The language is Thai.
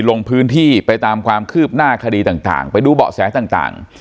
ลงพื้นที่ไปตามความคืบหน้าคดีต่างไปดูเบาะแสต่าง